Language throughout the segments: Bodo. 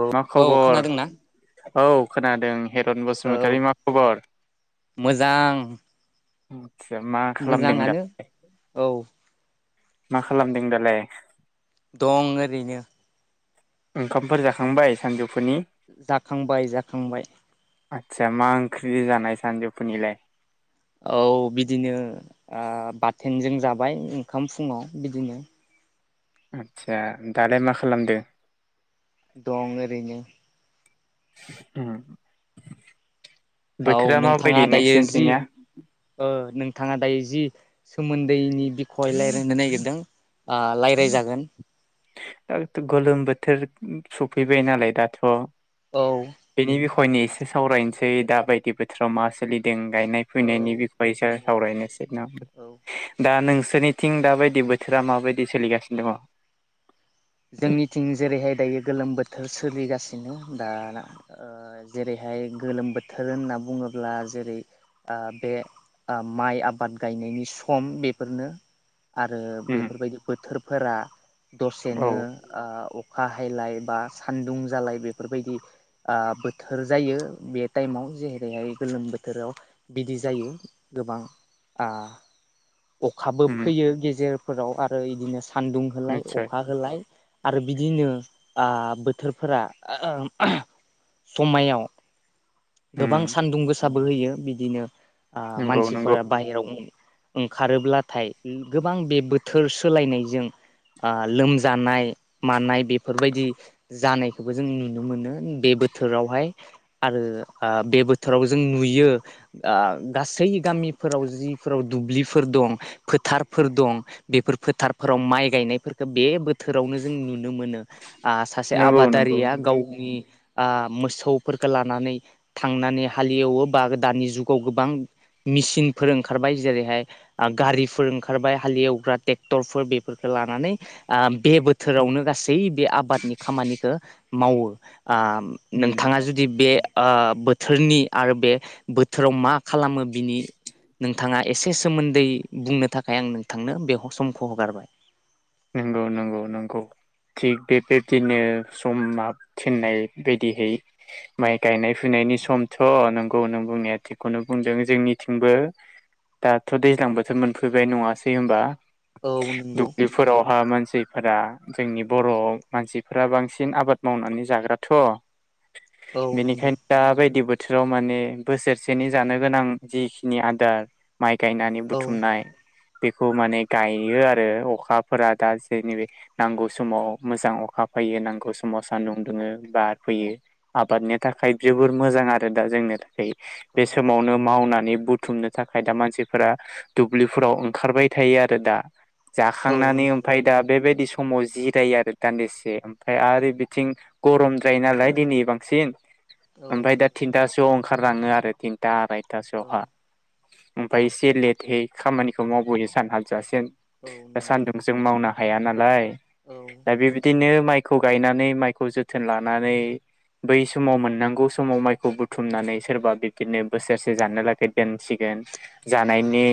औ मा खबर औ खोनादों हिरन औ बसुमतारी मा खबर मोजां उ आदसा मा खालामदों मोजाङानो दालाय औ मा खालामदों दालाय दं ओरैनो ओंखामफोर जाखांबाय सानजौफुनि जाखांबाय जाखांबाय आदसा मा ओंख्रि जानाय सानजौफुनिलाय औ बिदिनो ओ बाथोन बाथोनजों जाबाय ओंखाम फुङाव बिदिनो आदसा दालाय मा खालामदों दं ओरैनो उम औ बोथोरा माबायदि नोंथाङा दायो जि नोंसोरनिथिंनिया ओ नोंथां नोंथाङा दायो जि सोमोन्दैनि बिख'य रायज्लायनो नागिरदों रायज्लायजागोन दा गोलोम बोथोर सफैबाय नालाय दाथ' औ। हयनि एसे सावरायनोसै दा बायदि बोथोराव मा सोलिदों? गायनाय औ फुनायनि बिख'हायसो नंगौ सावरायनोसै ना औ दा नों नोंसोरनिथिं दाबायदि बोथोरा माबायदि सोलिगासिनो दङ। जोंनिथिं जेरैहाय दायो गोलोम बोथोर सोलिगासिनो दा ना ओ जेरैहाय गोलोम बोथोर होनना बुङोब्ला जेरै ओ बे ओ माइ आबाद गायनायनि सम बेफोरनो आरो दङ उम बेफोरबायदि बोथोरफोरा दसे औ बिदिनो ओ अखा हायला एबा सानदुं जालाय बेफोरबायदि ओ बोथोर जायो बे ताइमाव जेरैहाय गोलोम बोथोराव बिदि जायो गोबां आ अखाबो उम फैयो गेजेरफोराव आरो इदिनो। सान्दुं होलाय अ निस्सय अखा होलाय आरो बिदिनो। ओ बोथोरफोरा समायाव उम गोबां सान्दुं गोसाबो होयो बि बिदिनो। आ नंगौ नंगौ मानसिफोरा बाहेरायाव ओं ओं। खारोब्लाथाय गोबां बे बोथोर सोलायनायजों ओ लोमजानाय मानाय बेफोरबायदि जानायखौबो जों नुनो मोनो बे बोथोरावहाय आरो। ओ बे बोथोराव जों नुयो ओ गासै गामिफोराव जिफोराव दुब्लिफोर दं फोथारफोर दं बेफोर फोथारफोराव माइ गायनायफोरखौ बे बो थोरावनो जों नुनो मोनो आ सासे नंगौ नंगौ आबादारिया नंगौ गावनि। ओ मोसौफोरखो लानानै। थांनानै हालेवो बा दानि जुगाव गोबां मिसिनफोर ओंखारबाय जेरैहाय गारिफोर ओंखारबाय हालएवग्रा ट्रेक्टरफोर बेफोरखौ लानानै आम बे बोथोरावनो गासै बे आबादनि खामानिखौ मावो। आम उम नोंथाङा जुदि बे आ बोथोरनि आरो बे बोथोराव मा खालामो बिनि नोंथाङा एसे सोमोन्दै बुंनो थाखाय आं नोंथांनो बे समखौ हगारबाय। नंगौ नंगौ नंगौ थिग बेबायबदिनो समा थिननाय बायदिहै माइ गायनाय फुनायनि समथ' नंगौ नों बुंनाया थिगखौनो बुंदों जोंनिथिंबो दाथ' दैज्लां बोथोर मोनफैबाय नङासै होनबा? औ नंगौ। ओ मानसिफोरा जोंनि बर' मानसिफोरा बांसिन आबाद मावनानै जाग्रााथ'। औ नंगौ बेनिखायनो दा बायदि बो थोराव माने बोसोरसेनि जानो गोनां जिखिनि आदार माइ गायनानै औ बुथुमनाय बेखौ माने गायो आरो अखा फोरा दा जेनि बे नांगौ समाव मोजां अखा फैयो नांगौ समाव सानदुं दुङो बार फैयो आबादनि थाखाय जोबोर मोजां आरो दा जोंनि थाखाय। औ बे समावनो मावना नै बुथुमनो थाखाय दा मानसिफोरा दुब्लिफोराव ओंखारबाय थायो आरो दा जा औ थांनानै नंगौ ओमफ्राय दा बेबायदि स समाव जिरायो आरो दान्दिसे ओमफ्राय आरो बिथिं गरमद्राय नालाय दिनै बांसिन औ ओमफ्राय दा नंगौ थिनथासो आव ओंखारलाङो आरो थिनथा आराय औ थासोआवहा ओमफ्राय एसे लेटहै खामानिखौ मावबोनो सानहाबजासेम औ दा नंगौ सान्दुं जों मावना हाया नालाय दा औ बेबायदिनो माइखौ गायनानै माइखौ जोथोन लानानै बै समाव मोननांगौ समाव माइखौ बुथुमनानै सोरबा बिबदिनो बोसोरसे जानो लागै दोनसिगोन जानायनि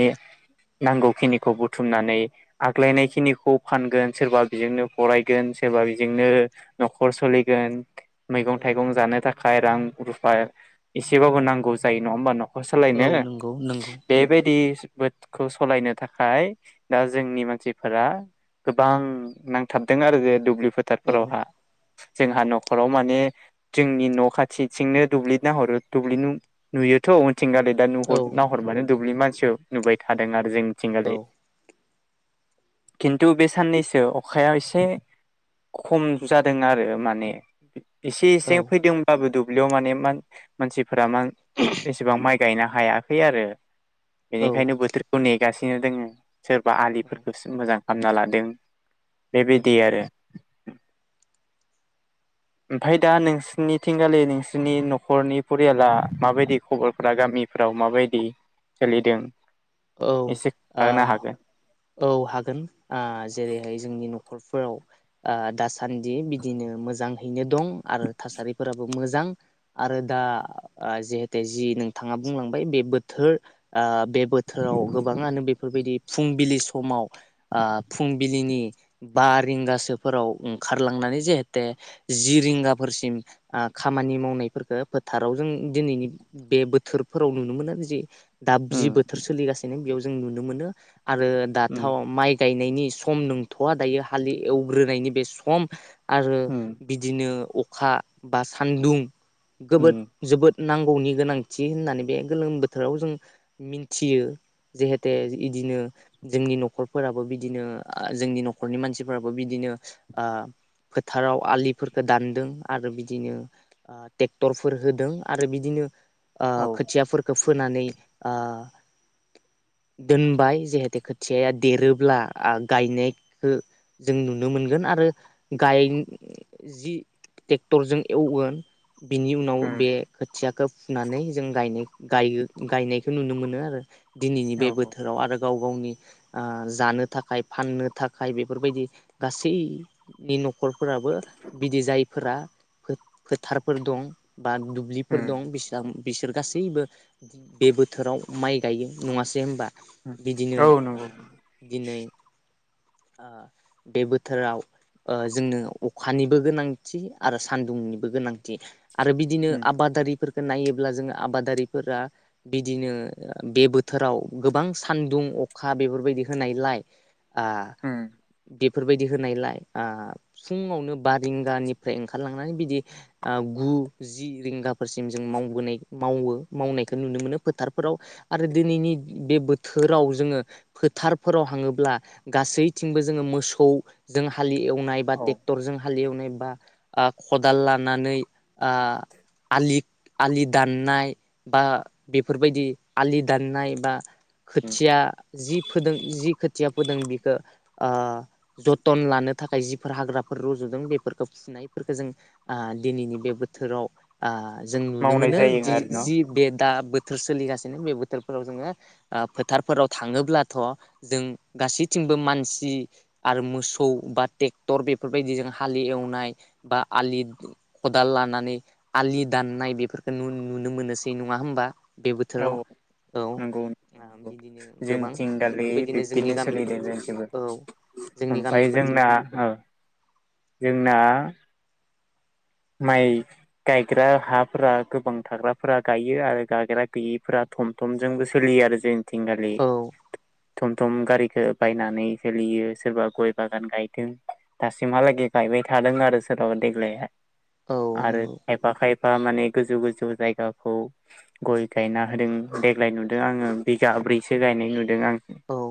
नांगौ खिनिखौ बुथुमनानै आग्लायनायखिनिखौ फानगोन सोरबा बेजोंनो फरायगोन सोरबा बेजोंनो न'खर सोलिगोन मैगं औ थाइगं जानो थाखाय खाय रां रुफा एसेबाबो नांगौ जायो नङा होमबा न' खर औ सालायनो नंगौ नंगौ बेबायदि बोटखौ सलायनो थाखाय दा जोंनि मानसि मानसिफोरा गोबां नांथाबदों आरो जे दुब्लि औ फोथारफोरावहा जोंहा न'खराव माने जोंनि न' खाथिथिंनो दुब्लिना हरो दुब्लि नुयोथ' थिं आरो दा औ नुहर नाहरबानो नंगौ दुब्लि मानसियाव नुबाय थादों आरो जोंनिथिं औ ओरै खिन्थु बे साननैसो अखाया एसे खम जादों आरो माने एसे औ एसे फैदोंबाबो दुब ब्लियाव माने मानसि फोरा मा एसेबां माइ गायनो हायाखै आरो औ बेनिखायनो बोथोरखौ ने गासिनो दोङो सोरबा बेफोरखौसो मोजां हामना लादों बेबायदि आरो ओमफ्राय दा नोंसोरनिथिंगालि नोंसोरनि न'खरनि फरियाला माबायदि खबरफोरा गामिफोराव माबायदि सोलिदों औ एसे खोन्थानो हागोन औ हागोन आ जेरैहाय जोंनि न'खर फोराव दासान्दि बिदिनो मोजाङैनो दं आरो थासारिफोराबो मोजां आरो दा जिहेते जि नोंथाङा बुंलांबाय बे बोथोर बे बोथोर बोथोराव गोबाङानो बेफोरबायदि फुंबिलि समाव फुंबिलिनि बा रिंगासोफोराव ओंखारलांनानै जेहेते जि रिंगाफोरसिम खामानि मावनायफोरखौ फोथाराव जों दिनैनि बे बोथोरफोराव नुनो मोनो बिदि दाबजि उम बो सिनो बेयाव जों नुनो मोनो आरो दाथ उम माइ गायनो नायनि सम नंथवा दायो हलि एवग्रोनायनि बे सम आरो उम बिदिनो अखा बा सान्दुं उम जबोद जोबोद नांगौनि गोनांथि होननानै बे गोलोम बोथोराव जों मि थियो जहेते बिदिनो जोंनि नखरफोराबो बिदिनो जोंनि नखरनि मानसिफोराबो बिदिनो फोथाराव आलिफोरफोरखौ दानदों आरो बिदिनो ट्रेक्टरफोर होदों आरो बिदिनो औ खोथियाफोरखो फोनानै दोनबाय जहेते खोथियाया देरोब्ला गायनायखौ जों नुनो मोनगोन आरो गाय जि ट्रेक्टरजों एवगोन बिनि उनाव उम बे खोथिया खौ फुनानै जों गायनायखौ नुनो मोनो आरो [inaudible] दिनैनि बे औ बोथोराव आरो गाव गावनि जानो थाखाय फाननो थाखाय बेफोरबायदि गासैनि नखर फोराबो बिदि जायो फोर फोथारफोर दं बा दुब्लिफोर उम दं बेसिबां बिसोर गासैबो बे बोथोराव माइ गायो नङासै होनबा बिदिनो औ नंगौ दिनै बे बोथोराव जोंनो अखानिबो गोनांथि आरो सानदुंनिबो गोनांथि आरो बिदिनो उम आबादारिफोरखो नायोब्ला जोङो आबादारिफोरा बिदिनो बे बोथोराव गोबां सानदुं अखा बेफोरबायदि होनायलाय हम बेफोरबायदि होनायलाय फुङावनो बा रिंगानिफ्राय ओंखारलांनानै बिदि गु जि रिंगाफोरसिम जोंबोनाय मावो मावनायखौ नुनो मोनो फोथारफोराव आरो दिनैनि बे बोथोराव जोङो फोथारफोराव हाङोब्ला गासै बो जोङो मोसौ जों हा एवनाय नाय बा औ ट्रेक्टरजों हाल एवनाय बा खदाल लानानै आलि आलि दाननाय बा बेफोरबायदि आलि दाननाय बा उम खोथिया जि फोदों जि खोथिया फोदों बिखो जथन लानो थाखाय जिफोर हाग्राफोर रजदों बेफोरखौ फुनायफोरखौ जों दिनैनि बे बोथोराव जों नुनो मावनाय मोनो जायो जि आरो न' जि बे दा बो बोथोर सोलिगासिनो बे बोथोरफोराव जोङो फोथारफोराव थाङोब्लाथ जों गासैथिंबो मानसि सि आरो मोसौ बा ट्रेक्टर बेफोरबायदि हालि एवनाय बा आलि खदाल लानानै आलि दाननाय बेफोरखौ नुनो मोनोसै नङा होमबा बे बोथोराव औ औ नंगौ नंगौ बिदिनो गोबां जोंथिं बेफोरबायदिनो जोंनि गामिफो ओमफफ्राय जोंना जोंना माइ गायग्रा हाफोरा गोबां थाग्राफोरा गायो आरो गाग्रा गैयैफोरा थम थमजोंबो सोलियो आरो जों थिंगालि औ थम थम गारिखौ बायनानै सोलियो सोरबा गय बागान गायदों दासिमहालागै गायबाय थादों आरो सोरबाबा देग्लाय औ आरो नंगौ एबा खाय फा माने गोजौ गोजौ जायगाखौ गय गायना होदों देग्लाय नुदों आङो बिगाब्रैसो गायनाय नुदों आं औ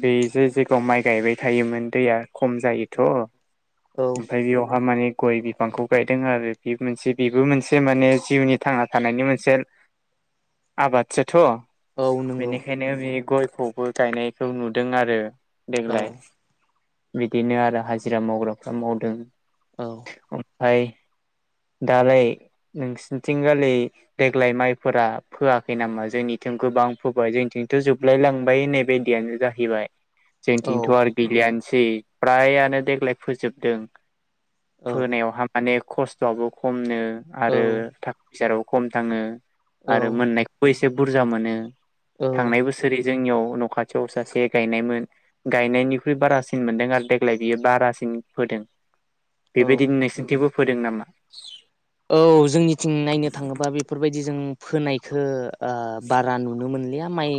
बे जे जायगाव माइ गायबाय थायोमोन दैया खम जायोथ' औ ओमफ्राय बेयावहा माने गय बिफांखौ गायदों आरो बे मोनसे बेबो मोनसे माने जिउनि थांना थानायनि मोनसे आबादसोथ' औ नंगौ बेनिखायनो बे गयखौबो गायनायखौ नुदों आरो औ देग्लाय बिदिनो आरो हाजिरा मावग्राफ्रा मावदों औ दालाय नोंसोरनिथिंगालि देग्लाय माइफोरा फोआखै नामा जोंनिथिं गोबां फोबाय जोंनिथिंथ' जोबलाय लांबाय होननाय बायदियानो जाहैबाय औ जोंनिथिंथ' आरो गैलियानो सै फ्रायानो देग्लाय फोजोबदों औ फोनायावहा माने खस्थ'आबो खमनो औ आरो फैसायाबो खम थाङो आरो औ मोननाय फुस एसे बुरजा मोनो थांनाय औ बोसोरै जोंनियाव न' खाथियाव सासे गायनायमोन गायनायनिख्रुइ बारासिन मोनदों आरो देग्लाय बियो बारासिन होदों औ बेबायदिनो नोंसोरनिथिंबो फोदों नामा औ जोंनिथिं नायनो थाङोबा बेफोरबायदि जों फोनायखौ बारा नुनो मोनलिया माइ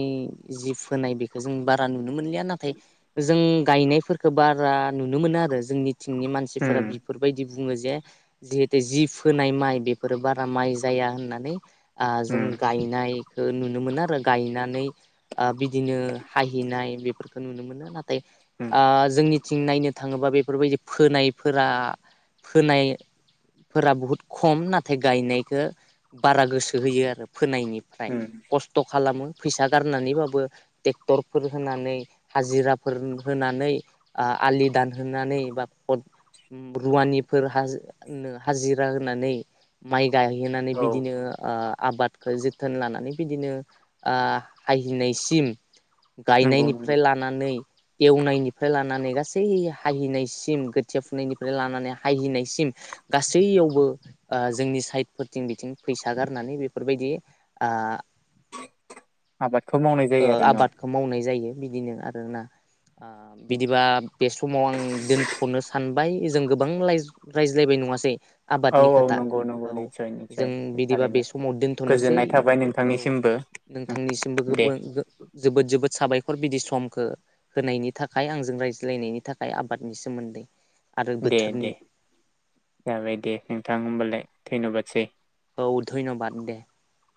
जि फोनाय बेखौ जों बारा नुनो मोनलिया नाथाय जों गायनायफोरखौ बारा नुनो मोनो आरो जोंनि थिंनि मानसिफोरा उम बेफोरबायदि बुङो जे जिहेतु जि फोनाय माइ बेफोरो बारा माइ जाया होननानै जों उम गायनाय ओ नुनो मोनो आरो गायनानै बिदिनो हाहैनाय बेफोरखौ नुनो मोनो ना दे उम आ जोंनि थिं नायनो थाङोबा बेफोरबायदि फोनायफोरा फोनायफोरा बुहुद खम नाथाय गायनायखौ बारा गोसो होयो आरो । फोनायनिफ्राय उम खस्थ' खालामो फैसा गारनानैबाबो ट्रेक्टरफोर होनानै हाजिराफोर होनानै आ आलि दानहोनानै बा रुवानिफोर हाज-हाजिरा नानै माइ गायहैनानै औ बिदिनो आ आबादखौ जोथोन लानानै बिदिनो ओ हाहैनायसिम नंगौ नंगौ गायनायनिफ्राय लानानै एवनायनिफ्राय लानानै गासै हाहैनायसिम खोथिया फुनायनिफ्राय लानानै हाहैनायसिम गासैयावबो जोंनि साइडफोरथिं बिथिं फैसा गारनानै बेफोरबायदि आ आबादखौ मावनाय ओ जायो आरो न'? आबादखौ मावनाय जायो बिदिनो आरोना । आ बिदिबा बे समाव आं दोनथ'नो सानबाय । जों गोबां रायज्लायबाय नङासै? औ आबादनि औ खोथा नंगौ नंगौ औ निस्सय निस्सय जों निस्सय बिदिबा बे थारैनो समाव दोनथ'नोसै गोजोननाय थाबाय औ नोंथांनिसिमबो नोंथांनिसिमबो दे जोबोद जबोद साबायखर बिदि समखौ होनायनि थाखाय आंजों रायज्लायनायनि थाखाय आबादनि सोमोन्दै । दे दे जाबाय दे उम। थां होमबालाय धन्यबादसै । औ धन्यबाद दे ।